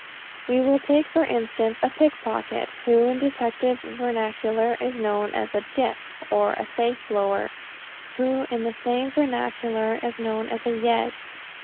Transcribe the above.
We will take for instance a pickpocket, who in detective vernacular is known as a "dip"; or a safe blower, who in the same vernacular is known as a "yegg."